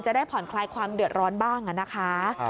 ได้ผ่อนคลายความเดือดร้อนบ้างนะคะ